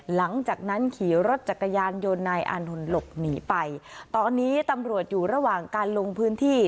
หลังจากนั้นขี่รถจักรยานยนต์นายอานนท์หลบหนีไปตอนนี้ตำรวจอยู่ระหว่างการลงพื้นที่